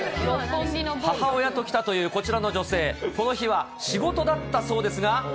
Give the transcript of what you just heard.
母親と来たというこちらの女性、この日は仕事だったそうですが。